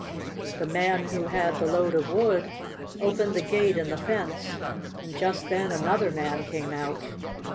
The man who had the load of wood opened the gate in the fence, and just then another man came out.